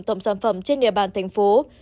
tổng sản phẩm trên địa bàn tp hcm